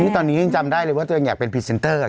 นี่ตอนนี้ยังจำได้เลยว่าเธอยังอยากเป็นพรีเซนเตอร์ค่ะ